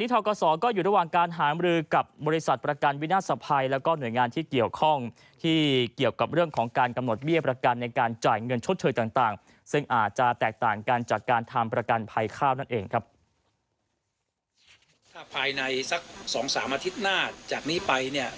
ถ้าภายในสัก๒๓อาทิตย์หน้าจากนี้ไปเนี่ย